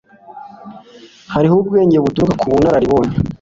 hariho ubwenge buturuka ku bunararibonye